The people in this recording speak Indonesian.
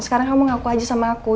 sekarang kamu ngaku aja sama aku